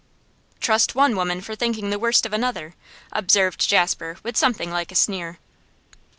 'Trust one woman for thinking the worst of another,' observed Jasper with something like a sneer.